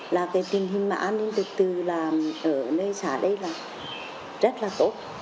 là cái tình hình mà an ninh từ từ là ở nơi xã đây là rất là tốt